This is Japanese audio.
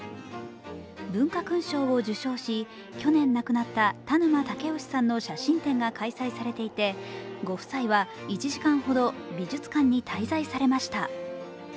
文化勲章を受章し、去年亡くなった田沼武能さんの写真展が開催されていてご夫妻は１時間ほど美術館に滞在されました。